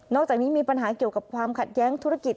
จากนี้มีปัญหาเกี่ยวกับความขัดแย้งธุรกิจ